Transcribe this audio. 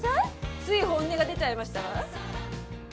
つい本音が出ちゃいましたわ。